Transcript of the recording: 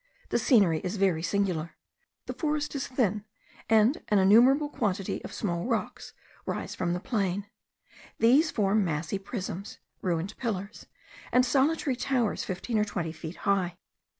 The scenery is very singular. The forest is thin, and an innumerable quantity of small rocks rise from the plain. These form massy prisms, ruined pillars, and solitary towers fifteen or twenty feet high.